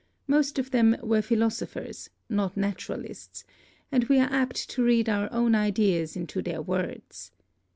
Most of them were philosophers, not naturalists, and we are apt to read our own ideas into their words.